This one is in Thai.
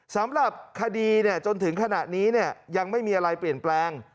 สำหรับคดีจนถึงขณะนี้ยังไม่มีอะไรเปลี่ยนแปลง